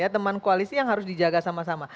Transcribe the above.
teman koalisi yang harus dijaga sama sama